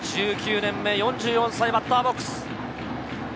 １９年目、４４歳、バッターボックス。